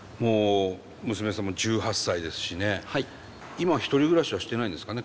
今は１人暮らしはしてないんですかね？